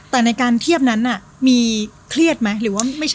แต่ในการเทียบนั้นมีเครียดไหมหรือว่าไม่ใช่